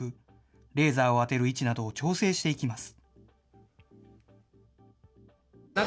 レーザーを当てる位置などを調整していきます。